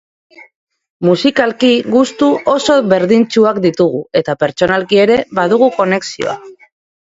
Musikalki gustu oso berdintsuak ditugu, eta pertsonalki ere badugu konexioa.